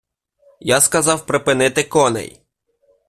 Я сказав припинити коней.